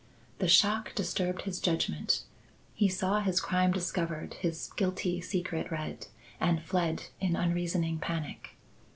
The shock disturbed his judgment. He saw his crime discovered his guilty secret read, and fled in unreasoning panic.